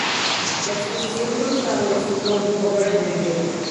La exposición constaba de cinco obras de vídeo.